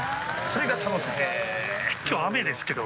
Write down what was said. それが楽しいんです。